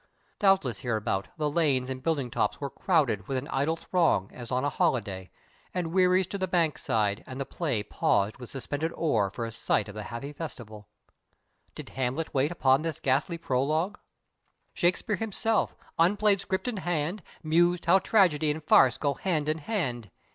Doubtless hereabout the lanes and building tops were crowded with an idle throng as on a holiday, and wherries to the bankside and the play paused with suspended oar for a sight of the happy festival. Did Hamlet wait upon this ghastly prologue? Shakespeare himself, unplayed script in hand, mused how tragedy and farce go hand in hand.